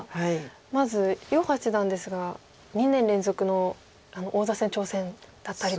まず余八段ですが２年連続の王座戦挑戦だったりと。